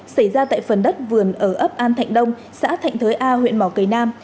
xảy ra tại phần đất vườn ở ấp an thạnh đông xã thạnh thới a huyện mỏ cầy nam